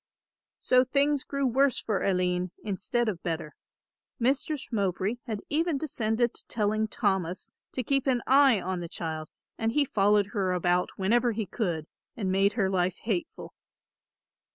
So things grew worse for Aline instead of better. Mistress Mowbray had even descended to telling Thomas to keep an eye on the child and he followed her about whenever he could, and made her life hateful.